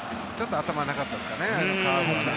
頭になかったですかね。